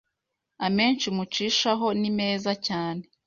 amenshi mucishaho nimezza cyane